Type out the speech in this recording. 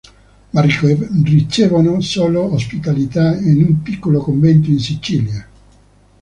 Ma ricevono solo ospitalità in un piccolo convento in Sicilia.